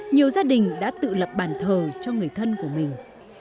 nhiều gia đình đã tự lập bàn thờ cho người thân của mình